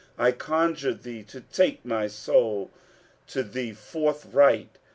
I conjure Thee to take my soul to Thee forthright.